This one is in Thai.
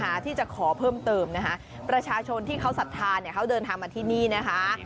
ที่จะขอเพิ่มเติมนะคะประชาชนที่เขาศรัทธาเนี่ยเขาเดินทางมาที่นี่นะคะ